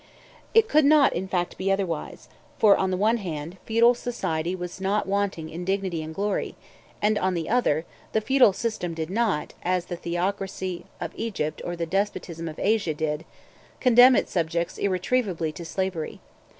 It could not, in fact, be otherwise: for, on the one hand, feudal society was not wanting in dignity and glory; and, on the other, the feudal system did not, as the theocracy of Egypt or the despotism of Asia did, condemn its subjects irretrievably to slavery.